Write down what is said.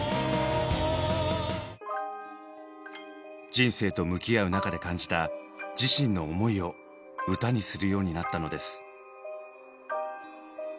人生と向き合う中で感じた自身の思いを歌にするようになったのです。